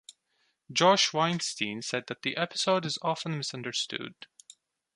Josh Weinstein said that the episode is often misunderstood.